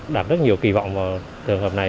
đạt rất nhiều kỳ vọng vào trường hợp này